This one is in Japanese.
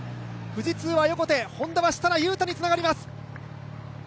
富士通は横手、Ｈｏｎｄａは設楽悠太につながります。